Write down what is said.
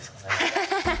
ハハハハ！